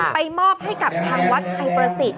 มอบให้กับทางวัดชัยประสิทธิ